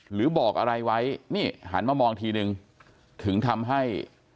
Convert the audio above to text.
หรือบอกอะไรไว้นี่หันมามองทีนึงถึงทำให้